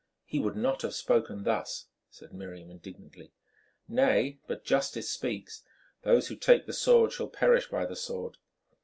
"He would not have spoken thus," said Miriam indignantly. "Nay, but justice speaks. Those who take the sword shall perish by the sword.